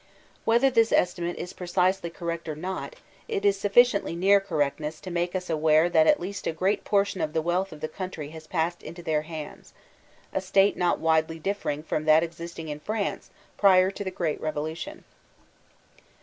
Whether this estimate is precisely correct or not, it is suflBdently near correctness to make us aware that at least a great portion of the wealth of the country has passed into their hands,« a state not widely di£Fering from that existing in France prior to the great Revolu tion.